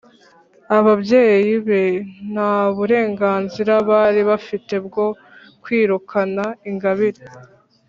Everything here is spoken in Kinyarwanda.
ababyeyi be ntaburenganzira bari bafite bwo kwirukana ingabire ;